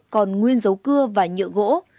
còn nguyên dấu cưa và nhựa gỗ